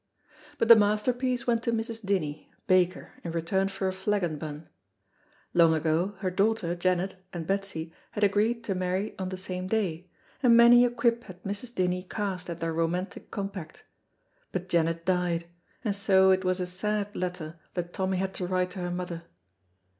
But the masterpiece went to Mrs. Dinnie, baker, in return for a flagon bun. Long ago her daughter, Janet, and Betsy had agreed to marry on the same day, and many a quip had Mrs. Dinnie cast at their romantic compact. But Janet died, and so it was a sad letter that Tommy had to write to her mother.